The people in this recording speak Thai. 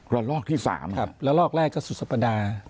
ละลอกที่๓อ่ะครับครับละลอกแรกก็สุสปดา